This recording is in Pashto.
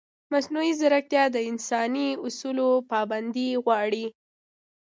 مصنوعي ځیرکتیا د انساني اصولو پابندي غواړي.